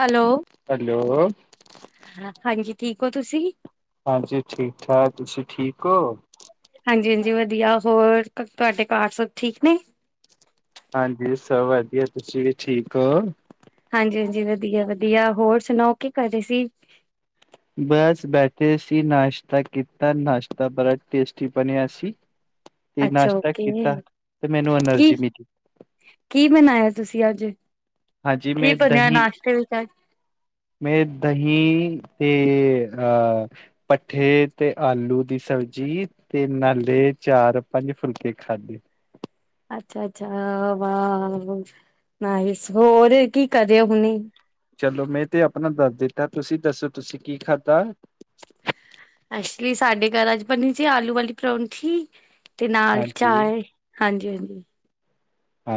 Hello, hello ਹਾਂਜੀ ਠੀਕ ਹੋ ਤੁਸੀਂ? ਹਾਂਜੀ ਠੀਕ ਠਾਕ, ਤੁਸੀਂ ਠੀਕ ਹੋ ਹਾਂਜੀ ਹਾਂਜੀ ਵਧੀਆ ਹੋਰ, ਤੁਹਾਡੇ ਘਰ ਸਭ ਠੀਕ ਨੇ। ਹਾਂਜੀ, ਸਭ ਵਧੀਆ ਤੁਸੀਂ ਵੀ ਠੀਕ ਹੋ ਹਾਂਜੀ ਹਾਂਜੀ ਵਧੀਆ ਵਧੀਆ ਹੋਰ ਸੁਣਾਓ ਕੀ ਕਰ ਰਹੇ ਸੀ। ਬਸ ਬੈਠੇ ਸੀ, ਨਾਸ਼ਤਾ ਕੀਤਾ, ਨਾਸ਼ਤਾ ਬੜਾ ਟੇਸਟੀ ਬਣਿਆ ਸੀ। ਤੇ ਅੱਛਾ ਨਾਸ਼ਤਾ ਓਕੇ ਕੀਤਾ, ਤੇ ਮੈਨੂੰ ਕੀ ਐਨਰਜੀ ਮਿਲੀ। ਕੀ ਬਣਾਇਆ ਤੁਸੀਂ ਅੱਜ ਹਾਂਜੀ ਕੀ ਮੈਂ ਬਣਿਆ ਦਹੀਂ, ਨਾਸ਼ਤੇ ਵਿੱਚ ਅੱਜ ਮੈਂ ਦਹੀਂ ਤੇ ਅਹ ਪੱਠੇ ਤੇ, ਆਲੂ ਦੀ ਸਬਜ਼ੀ, ਤੇ ਨਾਲੇ ਚਾਰ ਪੰਜ ਫੁਲਕੇ ਖਾਧੇ। ਅੱਛਾ ਅੱਛਾ, ਵਾਹ, ਨਾਇਸ, ਹੋਰ ਕੀ ਕਰ ਰਹੇ ਹੋ ਹੁਣੇ। ਚਲੋ ਮੈਂ ਤੇ ਆਪਣਾ ਦੱਸ ਦਿੱਤਾ, ਤੁਸੀਂ ਦੱਸੋ ਤੁਸੀਂ ਕੀ ਖਾਧਾ। ਐਕਚੁਲੀ ਸਾਡੇ ਘਰ ਅੱਜ ਬਣੀ ਸੀ, ਆਲੂ ਵਾਲੀ ਪਰੌਂਠੀ। ਤੇ ਨਾਲ ਹਾਂਜੀ ਚਾਏ, ਹਾਂਜੀ-ਹਾਂਜੀ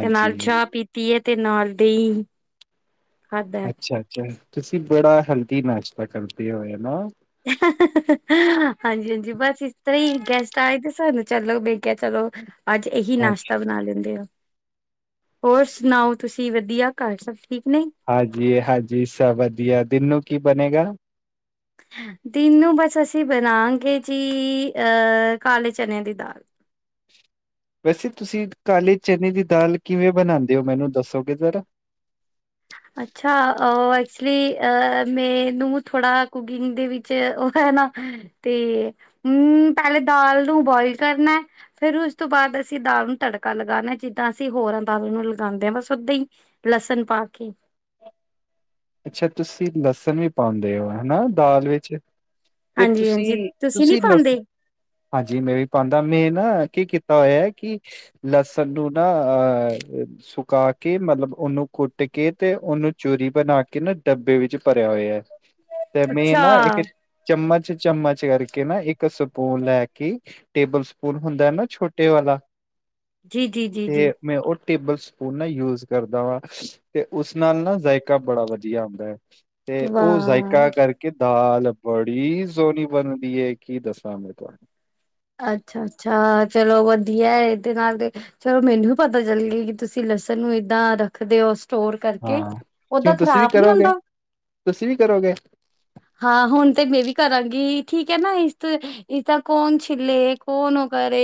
ਤੇ ਨਾਲ ਚਾਹ ਪੀਤੀ ਐ। ਤੇ ਨਾਲ ਦੀ। ਅੱਛਾ-ਅੱਛਾ, ਤੁਸੀਂ ਬੜਾ ਹੇਲਦੀ ਨਾਸ਼ਤਾ ਕਰਦੇ ਔ ਨਾ। ਹਾ-ਹਾ-ਹਾ-ਹਾ। ਹਾਂਜੀ-ਹਾਂਜੀ, ਬਸ ਇਸ ਤਰ੍ਹਾਂ ਈ ਗੈਸਟ ਆਏ ਤੇ ਸਾਨੂੰ ਚੱਲੋ, ਬਈ ਕਿਆ ਚਲੋ। ਔ ਹ ਅੱਜ ਇਹੀ ਨਾਸ਼ਤਾ ਬਣਾ ਲੈਂਦੇ ਆਂ, ਹੋਰ ਸੁਣਾਓ ਤੁਸੀਂ ਵਧੀਆ ਘਰ ਸਭ ਠੀ ਹਾਂਜੀ-ਹਾਂਜੀ। ਸਭ ਵਧੀਆ ਦਿਨ ਨੂੰ ਕੀ ਬਣੇਗਾ? ਹ [inaudible] ਦਿਨ ਨੂੰ ਬਸ ਅਸੀਂ ਬਣਾਗੇ ਜੀ, ਅ, ਕਾਲੇ ਚਨਿਆ ਦੀ ਦਾਲ। [inaudible] ਵੈਸੇ ਤੁਸੀਂ ਕਾਲੇ ਚਨੇ ਦੀ ਦਾਲ ਕਿਵੇਂ ਬਣਾਦੇ ਔ, ਮੈਨੂੰ ਦੱਸੋਗੇ ਜ਼ਰਾ? ਅੱਛਾ, ਅ ਐਕਚਲੀ ਅ ਮੈਨੂੰ ਥੋੜਾ ਕੁਕਿੰਗ ਦੇ ਵਿੱਚ ਉਹ ਸੁਣੋ, ਤੇ ਹੂ ਪਹਿਲੇ ਦਾਲ ਨੂੰ ਬੋਇਲ ਕਰਨਾ। ਫੇਰ ਉਸ ਤੋਂ ਬਾਅਦ ਅ ਅਸੀਂ ਦਾਲ ਨੂੰ ਤੜਕਾ ਲਗਾਨੇ, ਜਿੱਦਾ ਅਸੀਂ ਹੋਰਾਂ ਦਾਲਾ ਨੂੰ ਲਗਾਂਦੇ, ਬਸ ਓਦਾਂ ਈ ਲਸਣ ਪਾ ਸਕਕਿਬ [inaudible] ਅੱਛਾ, ਤੁਸੀਂ ਲਸਣ ਵੀ ਪਾਣਦੇ ਔ ਹੈਨਾ, ਦਾਲ ਵਿੱਚ। ਤੇ ਹਾਂਜੀ ਹਾਂਜੀ ਤੁਸੀਂ, ਨੀ ਤੁਸੀਂ ਪਾਉਂਦੇ ਲਸਨ, ਹਾਂਜੀ ਮੈਂ ਵੀ ਪਾਣਦਾ ਮੇਨ ਨਾ ਕੀ ਕੀਤਾ ਹੋਇਆ, ਕਿ ਲਸਣ ਨੂੰ ਨਾ ਅਹ ਸੁਕਾ ਕੇ ਮਤਲਬ ਔਨੂੰ ਕੁੱਟ ਕੇ, ਤੇ ਔਨੂੰ ਚੂਰੀ ਬਣਾ ਕੇ ਕਿ ਨਾ ਡੱਬੇ ਵਿੱਚ ਭਰਿਆ ਹੋਇਆ, ਤੇ ਮੈਂ ਅੱਛਾ ਨਾ ਇੱਕ ਚਮਚ ਚਮਚ ਕਰਕੇ ਨਾ ਇੱਕ ਸਪੂਨ ਲੈ ਕੇ। ਟੇਬਲ ਸਪੂਨ ਹੁੰਦਾ ਨਾ ਛੋਟੇ ਵਾਲਾ? ਜੀ-ਜੀ-ਜੀ-ਜੀ। ਤੇ ਮੈਂ ਉਹ ਟੇਬਲ ਸਪੂਨ ਨਾ ਯੂਜ ਕਰਦਾ ਵਾ, ਤੇ ਉਸ ਨਾਲ ਨਾ ਜਾਇਕਾ ਬੜਾ ਵਧ ਧੀਆ ਆਂਦਾ। ਤੇ ਉਹ ਜਾਇਕਾ ਵਾਹ ਕਰਕੇ ਦਾਲ ਬੜੀ ਸੋਹਣੀ ਬਣ ਧੀਏ, ਕੀ ਦੱਸਾਂ ਮੈਂ ਤੁਹਾਨੂੰ। ਅੱਛ-ਅੱਛਾ। ਚਲੋ ਵਧੀਆ ਏਦੇ ਨਾਲ ਤੇ ਚਲੋ ਮੈਨੂੰ ਵੀ ਪਤਾ ਚੱਲ ਗੇ। ਕਿ ਤੁਸੀਂ ਲਸਨ ਨੂੰ ਏਦਾਂ ਰੱਖਦੇ ਓ। ਸਟੋਰ ਕਰਕੇ ਹਾਂ ਔਦਾ ਕਿਉਂ ਤੁਸੀਂ ਵੀ ਖ਼ਰਾਬ ਨੀ ਕਰੋਗੇ ਹੁੰਦਾ? ਤੁਸੀਂ ਵੀ ਕਰੋਗੇ ਹਾਂ। ਹੁਣ ਤੇ ਮੈਂ ਵੀ ਕਰਾਂਗੀ। ਠੀਕ ਹੈ ਨਾ ਇਸ ਇਸਦਾ ਕੌਣ ਸ ਤੀਰਲੇ ਕੋਨ ਓ ਕਰੇ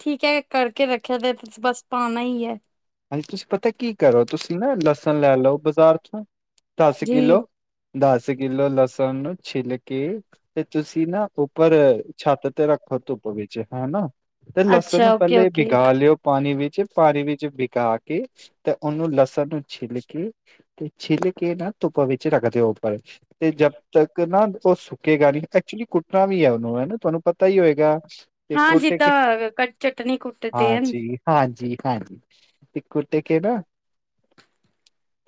।ਠੀਕ ਐ ਕਰਕੇ ਰੱਖਿਆ ਦਾ ਤੁਸੀਂ ਬਸ ਪਾਣਾ ਈ ਐ। ਹਾਂਜੀ। ਤੁਸੀਂ ਪਤਾ ਕੀ ਕਰੋ। ਤੁਸੀਂ ਨਾ ਲਸਨ ਲੈ ਲਓ ਬਾਜ਼ਾਰ ਤੋਂ ਦਸ ਜੀ ਕਿਲੋ। ਦਸ ਕਿਲੋ ਲਸਨ ਨੂੰ ਛਿਲ ਕੇ। ਤੇ ਤੁਸੀਂ ਨਾ ਉੱਪਰ ਛੱਤ ਤੇ ਰੱਖ ਪਰ ਧੁੱਪ ਵਿੱਚ ਹੇਨਾ। ਤੇ ਲਸਣ ਅੱਛਾ ਨੂੰ ਓਕੇ ਪਹਿਲੇ ਓਕੇ ਬੀਗਾ ਲਿਓ ਪਾਨੀ ਵਿੱਚ ਪਾਨੀ ਵਿੱਚ ਬੀ ਕਾ ਕੇ ਤੇ ਉਹਨੂੰ ਲਸਨ ਨੂੰ ਛਿੱਲ ਕੇ ਤੇ ਛਿੱਲ ਕੇ ਨਾ ਧੁੱਪ ਵਿੱਚ ਰੱਖ ਦਿਓ। ਉਪਰ ਤੇ ਜਬ ਤੱਕ ਨਾ ਉਹ ਸੁਕੇਗਾ ਨੀ ਐਕਚੁਲੀ ਕੁੱਟਨਾ ਵੀ ਐ ਉਨੂੰ ਹਨਾ। ਤੁਹਾਨੂੰ ਪਤਾ ਈ ਹੋਏਗਾ। ਤੇ ਹਾਂ ਕੁਟ ਕੇ ਜਿੱਦਾਂ ਚਟਨੀ ਕੁੱਟਦੇ ਹਨ ।ਹਾਂਜੀ-ਹਾਂਜੀ। ਹਾਂਜੀ। ਤੇ ਕੁਟ ਕੇ ਨਾ,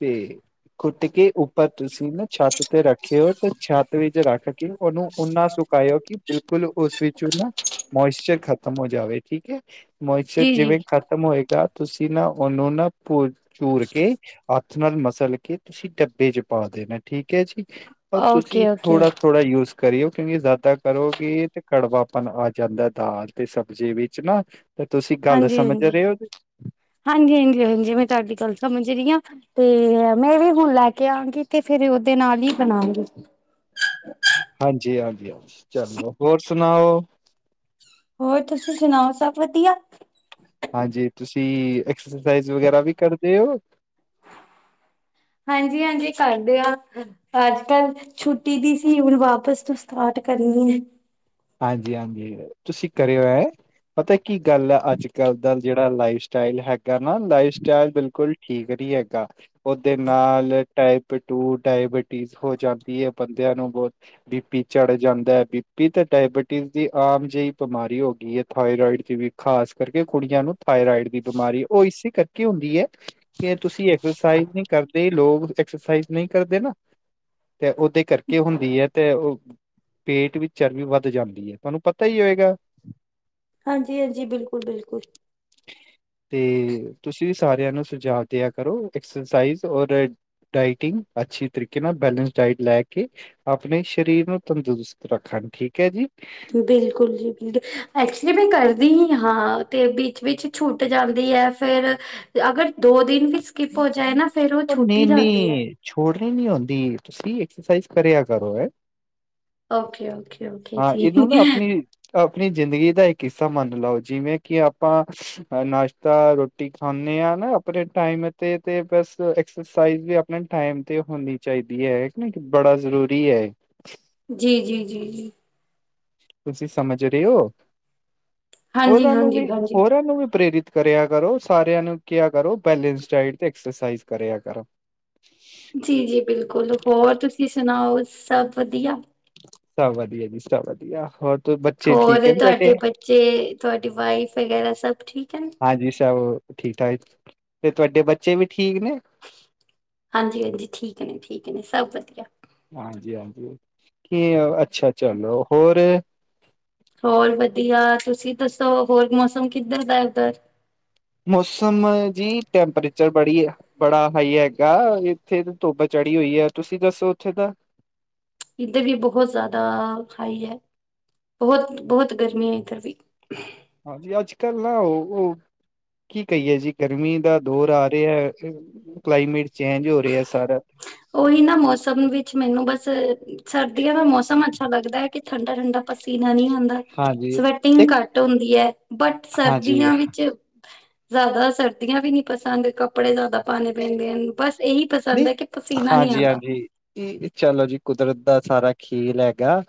ਤੇ ਕੁੱਟ ਕੇ ਉੱਪਰ ਤੁਸੀਂ ਨਾ ਛੱਤ ਤੇ ਰੱਖੇਓ ।ਤੇ ਛੱਤ ਵਿੱਚ ਰੱਖ ਕ ਕਿ ਉਨੂੰ ਓਨਾ ਸੁਕਾਇਓ ਕਿ ਬਿਲਕੁਲ ਉਸ ਵਿੱਚੋ ਨਾ ਮੋਇਸਚਰ ਖਤਮ ਹੋ ਜਾਵੇ। ਠੀਕ ਐ। ਮੋਇਚਰ ਜੀ ਜੀ ਜਿਵੇਂ ਖ਼ਤਮ ਹੋਏਗਾ ਤੁਸੀਂ ਨਾ ਉਨੂੰ ਨਾ ਪੂ ਪੂਰ ਕੇ ਹੱਥ ਨਾਲ ਮਸਲ ਕੇ ਤੁਸੀਂ ਡੱਬੇ ਚ ਪਾ ਦੇਨੇ। ਠੀਕ ਕੇ ਜੀ। ਪਰ ਤੁਸੀਂ ਓਕੇ ਓਕੇ ਥੋੜਾ ਥੋੜਾ ਯੂਜ ਕਰਿਐ ਕਰਿਐ ਜ਼ਿਆਦਾ ਕਰੋਗੀ ਤੇ ਕੜਵਾਪਨ ਆ ਜਾਂਦਾ ਦਾਲ ਤੇ ਸਬਜ਼ੀ ਵਿੱਚ ਨਾ। ਤੇ ਤੁਸੀਂ ਗੱਲ ਸਮਝ ਰਹੇ ਓ ਜ? ਹਾਂਜੀ-ਹਾਂਜੀ-ਹਾਂਜੀ। ਮੈਂ ਤਾਡੀ ਗੱਲ ਸਮਝ ਰੀ ਆ। ਤੇ ਮੈਂ ਵੀ ਹੁਣ ਲੈ ਕੇ ਆਵਾਂਗੀ ਤੇ ਫੇਰ ਉਹਦੇ ਨਾਲ ਹੀ ਬਨਾਗੀ। ਹਾਂਜੀ-ਹਾਂਜੀ-ਹਾਂਜੀ। ਚਲੋ ਹੋਰ ਸੁਣਾਓ? ਹੋਰ ਤੁਸੀਂ ਸੁਨਾਓ ਸਭ ਵਧੀਆ? ਹਾਂਜੀ ਤੁਸੀਂ ਐਕਸਰਸਾਈਜ਼ ਵਗੈਰਾ ਵੀ ਕਰਦੇ ਹੋ ਹਾਂਜੀ, ਹਾਂਜੀ ਕਰਦੇ ਹਾਂ ਅੱਜ ਕੱਲ ਛੁੱਟੀ ਦੀ ਸੀ ਹੁਨ ਵਾਪਸ ਤੋਂ ਸਟਾਰਟ ਕਰਨੀ ਏ ਹਾਂਜੀ, ਹਾਂਜੀ ਤੁਸੀਂ ਕਰਿਓ ਐ ਪਤਾ ਕੀ ਗੱਲ ਹੈ ਅੱਜ ਕੱਲ ਦਾ ਜਿਹੜਾ ਲਾਈਫ ਸਟਾਈਲ ਹੈਗਾ ਨਾ ਲਾਈਫ ਸਟਾਈਲ ਬਿਲਕੁਲ ਠੀਕ ਹੈਗਾ ਉਹਦੇ ਨਾਲ ਟ ਪਟੂ ਡਾਇਬਿਟੀਜ਼ ਹੋ ਜਾਂਦੀ ਹੈ ਬੰਦਿਆਂ ਨੂੰ ਬਹੁਤ ਬੀਪੀ ਚੜ ਜਾਂਦਾ ਹੈ ਬੀਪੀ ਤੇ ਡਾਇਬਟੀਜ਼ ਦੀ ਆਮ ਜਿਹੀ ਬਿਮਾਰੀ ਹੋ ਗਈ ਹੈ। ਥਾਇਰੋਇਡ ਦੀ ਵੀ ਖਾਸ ਕਰਕੇ ਕੁੜੀਆਂ ਨੂੰ ਥਾਇਰਾਇਡ ਦੀ ਬਿਮਾਰੀ ਉਹ ਇਸੀ ਕਰ ਕੀ ਹੁੰਦੀ ਹੈ ਕਿ ਤੁਸੀਂ ਐਕਸਰਸਾਈਜ਼ ਨਹੀਂ ਕਰਦੇ ਲੋਕ ਐਕਸਰਸਾਈਜ਼ ਨਹੀਂ ਕਰਦੇ ਨਾ ਤੇ ਉਹਦੇ ਕਰਕੇ ਹੁੰਦੀ ਹੈ ਤੇ ਉਹ ਪੇਟ ਵਿੱਚ ਚਰਬੀ ਵੱਧ ਜਾਂਦੀ ਹੈ ਤੁਹਾਨੂੰ ਪਤਾ ਹੀ ਹੋਏਗਾ। ਹਾਂਜੀ, ਹਾਂਜੀ ਬਿਲਕੁਲ, ਬਿਲਕੁਲ ਤੇ ਤੁਸੀਂ ਵੀ ਸਾਰਿਆਂ ਨੂੰ ਸੁਝਾਅ ਦਿਆ ਕਰੋ। ਐਕਸਰਸਾਈਜ਼ ਔਰ ਡਾਇਟਿੰਗ ਅੱਛੀ ਤਰੀਕੇ ਨਾਲ ਬੈਲੇਂਸ ਡਾਇਟ ਲੈ ਕੇ ਅਪਨੈ ਸ਼ਰੀਰ ਨੂੰ ਤੰਦਰੁਸਤ ਰੱਖਣ ਠੀਕ ਹੈ ਜੀ ਬਿਲਕੁਲ ਜੀ ਬਿਲਕੁਲ ਅੱਛਾ ਮੈਂ ਕਰਦੀ ਹੀ ਹਾਂ ਤੇ ਵਿੱਚ ਵਿੱਚ ਛੁੱਟ ਜਾਂਦੀ ਹੈ। ਫੇਰ ਅਗਰ ਦੋ ਦਿਨ ਵੀ ਸਕੀਪ ਉਹ ਨਹੀਂ ਨਹੀਂ ਛੋੜਨੀ ਨਹੀਂ ਹੁੰਦੀ। ਤੁਸੀਂ ਐਕਸਰਸਾਈਜ਼ ਕਰਿਆ ਕਰੋ ਹੈ। ਓਕੇ-ਓਕੇ, ਓਕੇ ਓਕੇ ਹਾਂ ਜੀ, ਇਹਨੂੰ ਨਾ ਆਪਣੀ ਅ ਅਪਨੀ ਜ਼ਿੰਦਗੀ ਦਾ ਇੱਕ ਹਿੱਸਾ ਮੰਨ ਲਓ ਜਿਵੇਂ ਕਿ ਆਪਾਂ ਨਾਸ਼ਤਾ ਰੋਟੀ ਖਾਂਨੇ ਆ ਨਾ ਅਪਨੇ ਟਾਈਮ ਤੇ ਤੇ ਬਸ ਐਕਸਰਸਾਈਜ਼ ਵੀ ਅਪਨੇ ਟਾਈਮ ਤੇ ਹੋਨੀ ਚਾਹੀਦੀ ਹੈ। ਨਾ ਬੜਾ ਜ਼ਰੂਰੀ ਹੈ। ਜੀ, ਜੀ, ਜੀ ਜੀ ਤੁਸੀਂ ਸਮਝ ਰਹੇ ਹੋ ਹਾਂਜੀ-ਹਾਂਜੀ, ਹੋਰਾਂ ਹਾਂਜੀ। ਨੂੰ ਵੀ ਹਾਂਜੀ ਹਾਂਜੀ ਹੋਰਾਂ ਨੂੰ ਵੀ ਪ੍ਰੇਰਿਤ ਕਰਿਆ ਕਰੋ ਸਾਰਿਆਂ ਨੂੰ ਕਿਹਾ ਕਰੋ ਬੈਲਸ ਡਾਇਟ ਤੇ ਐਕਸਰਸਾਈਜ਼ ਕਰਿਆ ਕਰੋ ਜੀ, ਜੀ ਬਿਲਕੁਲ ਹੋਰ ਤੁਸੀਂ ਸੁਣਾਓ ਸਭ ਵਧੀਆ ਸਭ ਵਧੀਆ ਜੀ ਸਭ ਵਧੀਆ ਹੋਰ ਤੇ ਬੱਚੇ ਹੋਰ ਠੀਕ ਹੈ ਤੁਹਾਡੇ ਬੱਚੇ ਤੁਹਾਡੀ ਵਾਈਫ ਵਗੈਰਾ ਸਭ ਠੀਕ ਹਨ ਹਾਂਜੀ ਸਭ ਠੀਕ ਠਾਕ ਤੇ ਤੁਹਾਡੇ ਬੱਚੇ ਵੀ ਠੀਕ ਨੇ ਹਾਂਜੀ, ਹਾਂਜੀ ਠੀਕ ਨੇ ਠੀਕ ਨੇ ਸਭ ਵਧੀਆ ਹਾਂਜੀ, ਹਾਂਜੀ ਕੀ ਅੱਛਾ ਚਲੋ ਹੋਰ ਹੋਰ ਵਧੀਆ ਤੁਸੀਂ ਦੱਸੋ ਹੋਰ ਮੌਸਮ ਕੀਦਾ ਦਾ ਉੱਧਰ ਮੌਸਮ ਜੀ, ਟੈਂਪਰੇਚਰ ਬੜੀ ਬੜਾ ਹਾਈ ਹੈਗਾ ਇੱਥੇ ਧੁੱਪ ਚ' ਚੜੀ ਹੋਈ ਹੈ ਤੁਸੀਂ ਦੱਸੋ ਉੱਥੇ ਦਾ [unintelligible] ਇੱਧਰ ਵੀ ਬਹੁਤ ਜ਼ਿਆਦਾ ਹਾਈ ਹੈ ।ਬਹੁਤ -ਬਹੁਤ ਗਰਮੀ ਹੈ ਇੱਧਰ ਵੀ ਹਾਂਜੀ ਅੱਜ ਕੱਲ ਨਾ ਉਹ ਉਹ ਕੀ ਕਹੀਏ ਜੀ ਗਰਮੀ ਦਾ ਦੌਰ ਆ ਰਿਹਾ। ਕਲਾਈਮੇਟ ਚੇਂਜ ਹੋ ਰਿਹਾ। ਸਾਰਾ ਉਹੀ ਨਾ ਮੌਸਮ ਵਿੱਚ ਮੈਨੂੰ ਬਸ ਸਰਦੀਆਂ ਦਾ ਮੌਸਮ ਅੱਛਾ ਲੱਗਦਾ ਹੈ। ਠੰਡਾ, ਠੰਡਾ ਪਸੀਨਾ ਨਹੀ ਆ ਹੁੰਦਾ ਹਾਂਜੀ ਸਵੈਟਿੰਗ ਇੱਕ ਘੱਟ ਹੁੰਦੀ ਹੈ ਬਟ ਹਾਂਜੀ ਸਰਦੀਆਂ ਵਿੱਚ ਜ਼ਿਆਦਾ ਸਰਦੀਆਂ ਵੀ ਨੀ ਪਸੰਦ ਕੱਪੜੇ ਜ਼ਿਆਦਾ ਪਾਉਣੇ ਪੈਂਦੇ ਹਨ ਬਸ ਇਹੀ ਪਸੰਦ ਨਹੀਂ ਹੈ ਕਿ ਪਸੀਨਾ ਨਹੀਂ ਹਾਂਜੀ, ਆਉਂਦਾ ਹਾਂਜੀ ਚਲੋ ਜੀ ਕੁਦਰਤ ਦਾ ਸਾਰਾ ਹੈਗਾ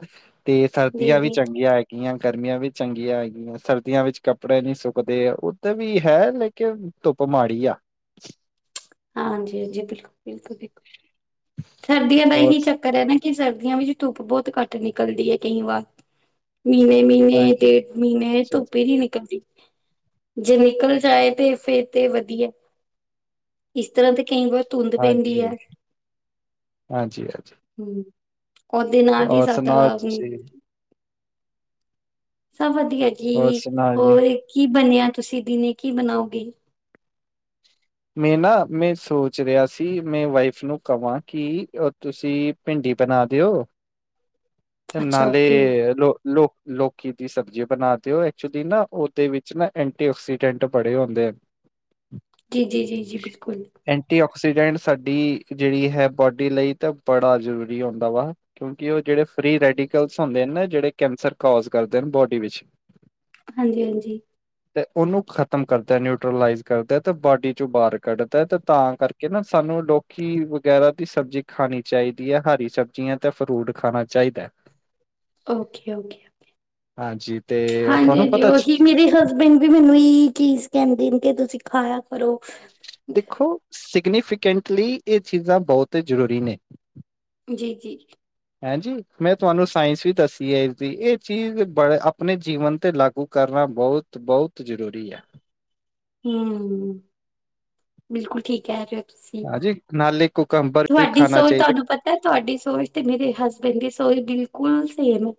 ਤੇ ਜੀ ਸਰਦੀਆਂ ਵੀ ਜੀ ਚੰਗੀਆਂ ਹੈਗੀਆਂ ਗਰਮੀਆਂ ਵੀ ਚੰਗੀਆਂ ਹੈਗੀਆਂ ਸਰਦੀਆਂ ਵਿੱਚ ਕੱਪੜੇ ਨਹੀਂ ਸੁੱਕਦੇ ਉੱਧਰ ਵੀ ਹੈ ਲੇਕਿਨ ਧੁੱਪ ਕੁਮਾੜੀ ਆ [unintelligible] ਹਾਂ, ਹਾਂਜੀ, ਹਾਂਜੀ ਬਿਲਕੁਲ, ਬਿਲਕੁਲ, ਬਿਲਕੁਲ ਸਰਦੀਆਂ ਦਾ ਹੋਰ ਇਹੀ ਚੱਕਰ ਹੈ ਨਾ ਕੀ ਸਰਦੀਆਂ ਵਿੱਚ ਧੁੱਪ ਬਹੁਤ ਘੱਟ ਨਿਕਲਦੀ ਹੈ ਕਈ ਵਾਰ? ਮਹੀਨੇ ਮਹੀਨੇ ਹਾਂਜੀ। ਡੇਢ ਮਹੀਨੇ ਜੀ, ਧੁੱਪੇ ਨੀ ਨਿਕਲਦੀ । ਜੇ ਨਿਕਲ ਜਾਏ ਤੇ ਫਿਰ ਤੇ ਵਧੀਆ ਇਸ ਤਰ੍ਹਾਂ ਦੇ ਕਈ ਵਾਰ ਧੁੰਦ ਪੈਂਦੀ ਐ ਹਾਂਜੀ, ਹਾਂਜੀ-ਹਾਂਜੀ ਹਮ। ਉਹਦੇ ਨਾਲ ਦੀ ਹੋਰ ਸਾਦਾ ਸੁਣਾਓ ਆ ਗਈ ਤੁਸੀਂ ਸੱਭ ਵਧੀਆ ਹੋਰ ਜੀ, ਸੁਣਾਓ ਜੀ। ਹੋਰ ਕੀ ਬਣਿਆ ਤੁਸੀਂ ਦਿਨੇ ਕੀ ਬਣਾਓਗੇ। ਮੈਂ ਨਾ ਮੈਂ ਸੋਚ ਰਿਹਾ ਸੀ ਮੈਂ ਵਾਈਫ ਨੂੰ ਕਵਾਂ ਕੀ ਤੁਸੀਂ ਪਿੰਡ ਏ ਤਾਂ ਬਣਾ ਦਿਓ [inaudible] ਅੱਛਾ ਓਕੇ ਨਾਲੇ ਲੋ ਲੋਕ ਲੋਕੀ ਦੀ ਸਬਜ਼ੀ ਬਣਾਤੇ ਹੋ, ਐਕਚੁਲੀ ਨਾ ਉਹਦੇ ਵਿੱਚ ਨਾ ਐਂਟੀ ਆਕਸੀਡੈਂਟ ਬੜੇ ਹੁੰਦੇ ਹਨ [unintelligible] ਜੀ ਜੀ ਜੀ ਜੀ ਬਿਲਕੁਲ ਐਂਟੀ ਆਕਸੀਡੈਂਟ ਸਾਡੀ ਜਿਹੜੀ ਹੈ ਬੋਡੀ ਲਈ ਤਾਂ ਬੜਾ ਜਰੂਰੀ ਹੁੰਦਾ ਵਾ ਕਿਉਂਕਿ ਇਹ ਜਿਹੜੇ ਫ੍ਰਰੀ ਰੈ ਡੀਕਲਸ ਹੁੰਦੇ ਆ ਨ ਜਿਹੜੇ ਕੈਂਸਰ ਕੋਜ਼ ਕਰਦੇ ਬੋਡੀ ਵਿੱਚ ਹਾਂਜੀ ਹਾਂਜੀ ਤੇ ਉਹਨੂੰ ਖ਼ਤਮ ਕਰਦੇ ਨਿਊਟਲਾਈਜ਼ ਕਰਦੇ ਤੇ ਬਾਡੀ ਚੋਂ ਬਾਹਰ ਕੱਢਦਾ ਤੇ ਤਾਂ ਕਰਕੇ ਨਾ ਸਾਨੂੰ ਲੋਕੀ ਵਗੈਰਾ ਦੀ ਸਬਜ਼ੀ ਖਾਣੀ ਚਾਹੀਦੀ ਹੈ ਹਰ ਹਰੀ ਸਬਜ਼ੀਆਂ ਤੇ ਫਰੂਟ ਖਾਣਾ ਚਾਹੀਦੈ ਓਕੇ ਓਕੇਓ ਹਾਂਜੀ ਤੇ ਹਾਂਜੀ ਤੁਹਾਨੂੰ ਹਾਂਜੀ ਪਤਾ ਉਹੀ ਮੇਰੇ ਹਸਬੈਂਡ ਵੀ ਮੈਨੂੰ ਹੀ ਚੀਜ਼ ਕਹਿੰਦੇ ਨੇ ਕਿ ਤੁਸੀਂ ਖਾਇਆ। ਕਰੋ ਦੇਖੋ ਸਿਗਨੀਫੀਕੈਂਟਲੀ ਇਹ ਚੀਜ਼ਾਂ ਬਹੁਤ ਹੀ ਜ਼ਰੂਰੀ ਨੇ! ਜੀ ਜੀ ਹੈਂਜੀ ਮੈਂ ਤੁਹਾਨੂੰ ਸਾਇੰਸ ਵੀ ਦੱਸੀ ਹੈ ਇਹਦੀ ਇਹ ਚੀਜ਼ ਬੜ ਆਪਣੇ ਜੀਵਨ ਤੇ ਲਾਗੂ ਕਰਨਾ ਬਹੁਤ ਬਹੁਤ ਜ਼ਰੂਰੀ ਐ। ਹੂੰ, ਬਿਲਕੁਲ ਠੀਕ ਕਹਿ ਰਹੇ ਤੁਸੀਂ ਹਾਂਜੀ ਨਾਲੇ ਕੁਕੰਬਰ ਵੀ ਤੁਹਾਡੀ ਖਾਣਾ ਸੋਚ ਚਾਹੀਦਾ ਤੁਹਾਨੂੰ ਪਤਾ ਤੁਹਾਡੀ ਸੋਚ ਤੇ ਮੇਰੇ ਹਸਬੈਂਡ ਦੀ ਸੋਚ ਬਿਲ ਕੁਲ ਸੇਮ ਆ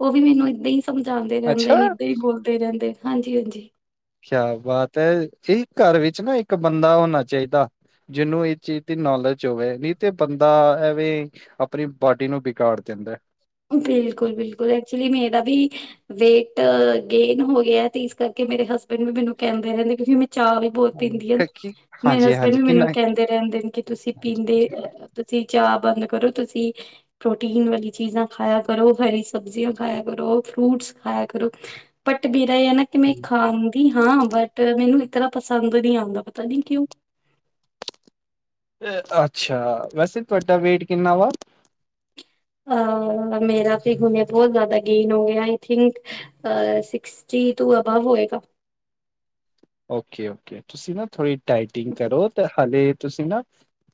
ਉਹ ਵੀ ਮੈਨੂੰ ਏਦਾਂ ਈ ਸਮਝਾਂਦੇ ਰਹਿੰਦੇ ਅੱਛਾ! ਨੇ ਏਦਾਂ ਹੀ ਬੋਲਦੇ ਰਹਿੰ ਤੇ ਹਾਂਜੀ ਹਾਂਜੀ। ਕਿਆ ਬਾਤ ਐ, ਇੱਕ ਘਰ ਵਿੱਚ ਨਾ ਇੱਕ ਬੰਦਾ ਹੋਣਾ ਚਾਹੀਦਾ। ਜਿਹਨੂੰ ਇਹ ਚੀਜ਼ ਦੀ ਨੌਲੇਜ ਹੋਵੇ ਨਹੀਂ ਤੇ ਬੰਦਾ ਐਵੇਂ ਆਪਣੀ ਬਾਡੀ ਨੂੰ ਬਿਗਾੜ ਦਿੰਦਾ। ਬਿਲਕੁਲ ਬਿਲਕੁਲ ਏ। ਐਕਚੁਲੀ ਮੇਰਾ ਵੀ ਵੇਟ ਗੇਨ ਹੋ ਗਿਆ ਤੇ ਇਸ ਕਰਕੇ ਮੇਰੇ ਹਸਬੈਂਡ ਵੀ ਮੈਨੂੰ ਕਹਿੰਦੇ ਨੇ [unintelligible] ਚਾਹ ਵੀ ਬਹੁਤ ਪੀਂਦੀ ਆ ਮੇਰੇ ਹਸਬੈਂਡ ਹਾਂਜੀ-ਹਾਂਜੀ ਵੀ ਕਿੰਨਾ ਮੈਨੂੰ ਕਹਿੰਦੇ ਰਹਿੰਦੇ ਨੇ ਕਿ ਤੁਸੀਂ ਹਾਂਜੀ, ਪੀਂਦੇ ਅ ਤੁਸੀਂ ਚਾਹ ਬੰਦ ਕਰੋ, ਤੁਸੀਂ ਪ੍ਰੋਟੀਨ ਵਾਲੀ ਚੀਜ਼ਾਂ ਖਾਇਆ ਕਰੋ! ਹਰੀ ਸਬਜ਼ੀਆਂ ਖਾਇਆ ਕਰੋ, ਫਰੂਟਸ ਖਾਇਆ ਕਰੋ ਬਟ ਫਿ ਏ ਆ ਨਾ ਕੀ ਮੈਂ ਖਾਂਦੀ ਹਾਂ ਬਟ ਮੈਨੂੰ ਤਰ੍ਹਾਂ ਪਸੰਦ ਨੀ ਆਂਦਾ ਪਤਾ ਨੀ ਕਿਉਂ? ਏ ਅੱਛਾ ਵੈਸੇ ਤੁਹਾਡਾ ਵੇਟ ਕਿੰਨਾ ਵਾ? ਅ ਮੇਰਾ ਤੇ ਹੁਣੇ ਬਹੁਤ ਜ਼ਿਆਦਾ ਗੇਨ ਹੋ ਗਿਆ ਆਈ ਥਿੰਕ ਅ ਸਿਕਸਟੀ ਤੋਂ ਅਬੱਬ ਹੋਏਗਾ? ਓਕੇ ਓਕੇ, ਤੁਸੀਂ ਨਾ ਥੋੜ੍ਹੀ ਡਾਈਟਿੰਗ ਕਰੋ ਤੇ ਹਾਲੇ ਤੁਸੀਂ ਨਾ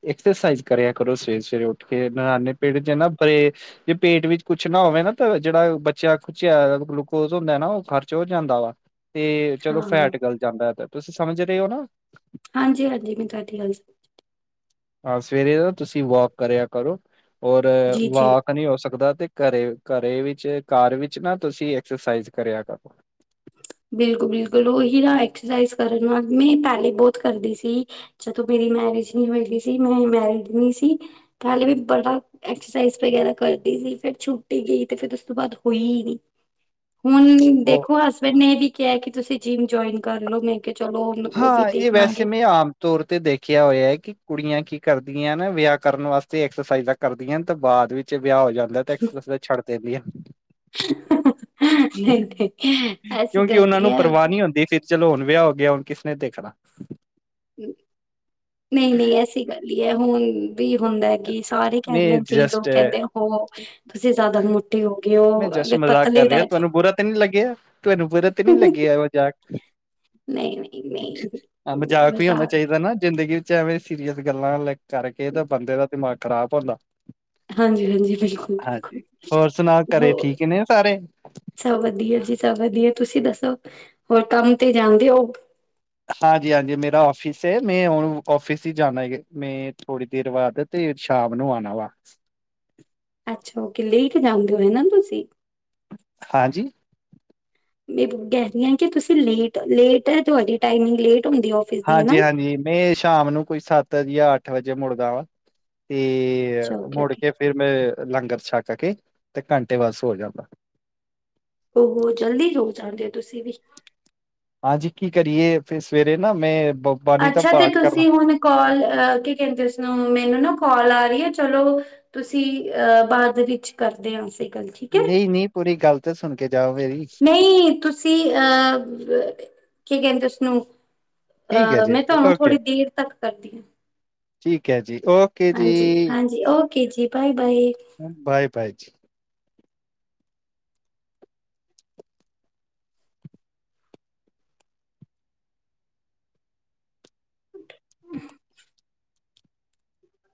ਐਕਸਰਸਾਈਜ਼ ਕਰਿਆ ਕਰੋ, ਸਵੇਰੇ ਸਵੇਰੇ ਉੱਠ ਕੇ ਨਾਣੇ ਪੇਟ [unintelligible] ਜੇ ਪੇਟ ਵਿੱਚ ਕੁਛ ਨਾ [unintelligible] ਜਿਹੜਾ ਬਚਿਆ ਖੂਚਿਆ ਗੁਲੂਕੋਜ਼ ਹੁੰਦਾ ਨਾ ਉਹ ਖਰਚ ਹੋ ਜਾਂਦਾ ਵਾ। ਤੇ ਚਲੋ ਹਾਂ ਫੈਟ ਗਲ ਜਾਂਦਾ ਗਾ ਤੁਸੀਂ ਸਮਝ ਰਿਓ ਨਾ? ਹਾਂਜੀ ਹਾਂਜੀ, ਮੈਂ ਤੁਹਾਡੀ ਗੱਲ ਸਮਝ ਹਾਂ ਸਵੇਰੇ ਨਾ ਤੁਸੀਂ ਵਾਕ ਕਰਿਆ ਕਰੋ, ਔਰ ਜੀ ਜੀ ਵਾਕ ਨਹੀਂ ਹੋ ਸਕਦਾ ਤੇ ਘਰੇ ਓ ਘਰੇ ਵਿੱਚ ਘਰ ਵਿੱਚ ਨਾ ਤੁਸੀਂ ਐਕਸਰਸਾਈਜ਼ ਕਰਿਆ ਕਰੋ। [inaudible] ਬਿਲਕੁਲ-ਬਿਲਕੁਲ, ਉਹੀ ਨਾ ਐਕਸਰਸਾਈਜ਼ ਕਰਨ ਨਾਲ, ਮੈਂ ਪਹਿਲੇ ਬਹੁਤ ਕਰਦੀ ਸੀ ਜਦੋਂ ਮੇਰੀ ਮੈਂ [unintelligible] ਨਹੀਂ ਹੋਈ ਦੀ ਸੀ। ਮੈਂ [unintelligible] ਨੀ ਸੀ, ਪਹਿਲੇ ਵੀ ਬੜਾ ਐਕਸਰਸਾਈਜ਼ ਵਗੈਰਾ ਕਰਦੀ ਸੀ। ਫੇਰ ਛੁੱਟ ਈ ਗਈ, ਤੇ ਫਿਰ ਉਸ ਤੋਂ ਬਾਅਦ ਹੋਈ ਨੀ ਹੁਣ, ਉਹ ਦੇਖੋ ਹਸਬੈਂਡ ਨੇ ਇਹ ਵੀ ਕਿਹਾ ਕਿ ਤੁਸੀਂ ਜਿੰਮ ਜੋਇਨ ਕਰ ਲਓ, ਮੈਂ ਕਿਹਾ ਚਲੋ ਉਹ ਵੀ ਹਾਂ, ਇਹ ਦੇਖ ਵੈਸੇ ਲਾਂਗੇ। ਮੈਂ ਆਮ ਤੌਰ ਤੇ ਦੇਖਿਆ ਹੋਇਆ ਕਿ ਕੁੜੀਆਂ ਕੀ ਕਰਦੀਆਂ ਨਾ ਵਿਆਹ ਕਰਨ ਵਾਸਤੇ ਐਕਸਰਸਾਈਜ਼ਾਂ ਕਰਦੀਆਂ, ਤੇ ਬਾਅਦ ਵਿੱਚ ਵਿਆਹ ਹੋ ਜਾਂਦਾ, ਤਾਂ ਐਕਸਸਾਈਜ਼ ਛੱਡ ਦਿੰਦੀ ਆ ਨਹੀਂ-ਨਹੀਂ ਐਸੀ ਕਿਉਂਕਿ ਗੱਲ ਉਹਨਾਂ ਨੀ ਨੂੰ ਹੈ। ਪਰਵਾਹ ਨਹੀਂ ਹੁੰਦੀ ਇਹ ਚੀ ਚਲੋ, ਹੁਣ ਵਿਆਹ ਹੋ ਗਿਆ, ਹੁਣ ਕਿਸਨੇ ਦੇਖਣਾ? ਨਹੀਂ-ਨਹੀਂ, ਐਸੀ ਗੱਲ ਨੀ ਐ ਹੁਣ ਰ ਵੀ ਹੁੰਦਾ ਕਿ ਸਾਰੇ ਮੈਂ ਕਹਿੰਦੇ ਕਈ ਲੋਕ ਜਸਟ ਕਹਿੰਦੇ ਹੋ ਤੁਸੀਂ ਜ਼ਿਆਦਾ ਮੋਟੇ ਹੋ। ਗਏ ਮੈਂ ਹੋ ਜਸ਼ਟ ਅਗਰ ਮਜ਼ਾਕ ਕਰ ਪਤਲੇ ਰਿਹਾ ਰਹਿ ਜਾਓ ਤੁਹਾਨੂੰ ਬੁਰਾ ਤਾਂ ਨੀ ਲੱਗਿਆ, ਤੁਹਾਨੂੰ ਬੁਰਾ ਤੇ ਨੀ ਲੱਗਿਆ ਮਜ਼ਾਕ। ਨਹੀਂ ਨਹੀਂ ਨਹੀਂ ਹਾਂ, ਮਜ਼ਾਕ ਵੀ ਹੋਣਾ ਚਾਹੀਦਾ ਨਾ, ਜ਼ਿੰਦਗੀ ਐਵੇਂ ਸੀਰੀਅਸ ਗੱਲਾਂ ਲ ਕਰਕੇ ਤਾਂ ਬੰਦੇ ਦਾ ਦਿਮਾਗ ਖ਼ਰਾਬ ਹੁੰਦਾ। ਹਾਂਜੀ-ਹਾਂਜੀ, ਬਿਲਕੁਲ, ਹਾਂਜੀ, ਹੋਰ ਸੁਣਾ ਬਿਲਕੁਲ। ਘਰੇ ਹੋਰ, ਠੀਕ ਨੇ ਸਾਰੇ? ਸਭ ਵਧੀਆ ਜੀ, ਸਭ ਵਧੀਆ। ਤੁਸੀਂ ਦੱਸੋ? ਹੋਰ ਕੰਮ ਤੇ ਜਾਂਦੇ ਹੋ? ਹਾਂਜੀ-ਹਾਂਜੀ, ਮੇਰਾ ਆਫਿਸ ਏ। ਮੈਂ ਹੁਣ ਆਫਿਸ ਹੀ ਜਾਣਾ ਮੈਂ ਥੋੜੀ ਦੇਰ ਬਾਅਦ ਤੇ ਫੇਰ ਸ਼ਾਮ ਨੂੰ ਆਣਾ ਵਾਪਸ ਅੱਛਾ ਉਕੇ, ਲੇਟ ਜਾਂਦੇ ਹੋਣੇ ਨਾ ਤੁਸੀਂ? ਹਾਂਜੀ। ਮੈਂ ਕਹਿ ਰੀ ਆ ਕਿ ਤੁਸੀਂ ਲੇਟ-ਲੇਟ ਐ ਤੁਹਾਡੀ ਟਾਈਮਿੰਗ ਲੇਟ ਹੁੰਦੀ ਆਫਿਸ ਦੀ ਹਨਾ ਹਾਂਜੀ, ਹਾਂਜੀ, ਮੈਂ ਸ਼ਾਮ ਨੂੰ ਕੋਈ ਸੱਤ ਜਾਂ ਅੱਠ ਵਜੇ ਮੁੜਦਾ ਵਾਂ। ਤੇ ਅੱਛਾ ਓਕੇ ਮੁੜ ਓਕੇ ਕੇ ਫੇਰ ਮੈਂ ਲੰਗਰ ਛੱਕ ਕੇ ਤੇ ਘੰਟੇ ਬਾਅਦ ਸੌ ਜਾਂਦਾ। ਹੋ-ਹੋ ਜਲਦੀ ਸੋ ਜਾਂਦੇ ਹੋ ਤੁਸੀਂ ਵੀ। ਹਾਂਜੀ, ਕੀ ਕਰੀਏ ਫ ਸਵੇਰੇ ਨਾ ਮੈਂ ਬ- ਬਾਣੀ ਦਾ ਅੱਛਾ, ਤੇ ਪਾਠ ਕਰਨਾ ਤੁਸੀਂ ਹੁਣ ਕਾਲ, ਕੀ ਕਹਿੰਦੇ ਉਸਨੂੰ ਮੈਨੂੰ ਨਾ ਕਾਲ ਆ ਚਲੋ, ਤੁਸੀਂ ਅਹ ਬਾਅਦ ਵਿੱਚ ਕਰਦੇ ਆ ਅਸੀਂ। ਗੱਲ, ਠੀਕ ਹੈ। ਨਹੀਂ ਨਹੀਂ ਪੂਰੀ ਗੱਲ ਤਾਂ ਸੁਣ ਕੇ ਜਾਓ ਮੇਰੀ ਨਹੀਂ, ਤੁਸੀਂ ਅਹ ਕੀ ਕਹਿੰਦੇ ਉਸਨੂੰ, ਠੀਕ ਹੈ ਅਹ ਜੀ ਮੈਂ ਤੂਆਨੂੰ ਓਕੇ ਥੋੜ੍ਹੀ ਦੇਰ ਤੱਕ ਕਰਦੀ ਹਾਂ। ਠੀਕ ਹੈ ਜੀ, ਓਕੇ ਜੀ। ਹਾਂਜੀ ਹਾਂਜੀ ਓਕੇ ਜੀ ਬਾਏ ਬਾਏ ਬਾਏ-ਬਾਏ ਜੀ। [inaudible]